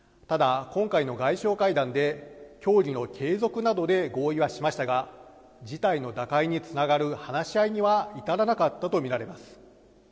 ただ、今回の外相会談で、協議の継続などで合意はしましたが、事態の打開につながる話し合いには至らなかったと見られます。